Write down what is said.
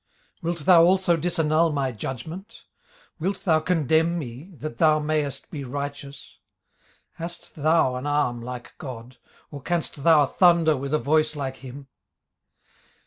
18:040:008 Wilt thou also disannul my judgment? wilt thou condemn me, that thou mayest be righteous? 18:040:009 Hast thou an arm like God? or canst thou thunder with a voice like him?